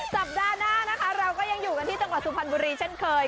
สัปดาห์หน้านะคะเราก็ยังอยู่กันที่จังหวัดสุพรรณบุรีเช่นเคย